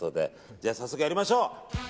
じゃあ早速やりましょう。